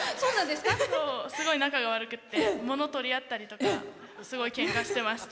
すごい仲が悪くて物を取り合ったりとかすごいけんかしてました。